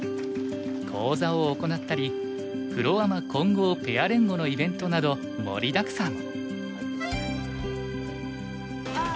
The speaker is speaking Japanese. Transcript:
講座を行ったりプロ・アマ混合ペア連碁のイベントなど盛りだくさん。